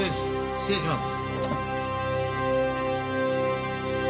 失礼します。